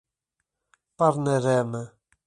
Parnarama